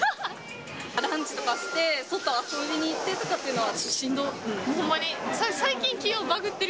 ランチとかして、外遊びに行ったりとかっていうのは？